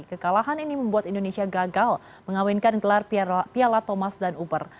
kekalahan ini membuat indonesia gagal mengawinkan gelar piala thomas dan uber